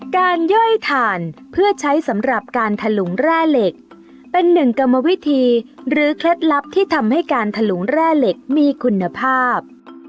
ย่อยถ่านเพื่อใช้สำหรับการถลุงแร่เหล็กเป็นหนึ่งกรรมวิธีหรือเคล็ดลับที่ทำให้การถลุงแร่เหล็กมีคุณภาพ